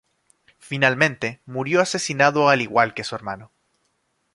Finalmente murió asesinado al igual que su hermano.